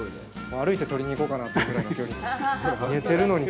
歩いて取りに行こうかなというぐらいの距離に。